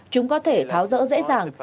chúng có thể tháo rỡ dễ dàng